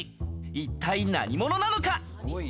一体何者なのか？